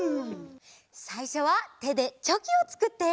さいしょはてでチョキをつくって！